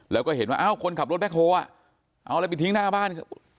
แล้วก็เห็นว่าคนขับรถแบ็คโฮเอาอะไรไปทิ้งหน้าบ้าน